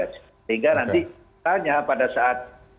sehingga nanti tanya pada saat